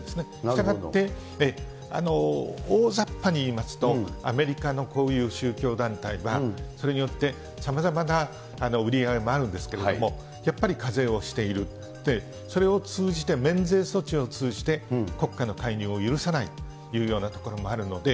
従って、おおざっぱにいいますと、アメリカのこういう宗教団体は、それによって、さまざまな売り上げもあるんですけれども、やっぱり課税をしている、それを通じて免税措置を通じて、国家の介入を許さないというようなところもあるので。